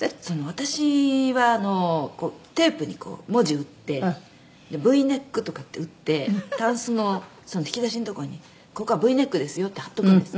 「私はあのテープに文字打ってＶネックとかって打ってたんすの引き出しのとこにここはＶネックですよって貼っておくんです」